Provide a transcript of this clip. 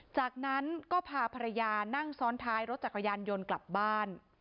จากนั้นก็พาภรรยานั่งซ้อนท้ายรถจักรยานยนต์กลับบ้าน